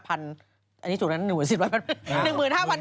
อันนี้ถูกแล้วนะ